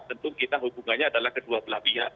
tentu kita hubungannya adalah kedua belah pihak